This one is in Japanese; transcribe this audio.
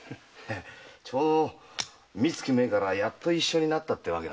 ちょうど三月前からやっと一緒になったってわけなんです。